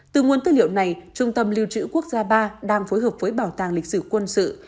từ nguồn tư liệu này trung tâm lưu trữ quốc gia ba đang phối hợp với bảo tàng lịch sử quân sự